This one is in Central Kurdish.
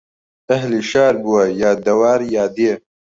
ئەهلی شار بووە یا دەوار یا دێ